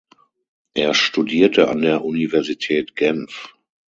Er studierte an der Universität Genf.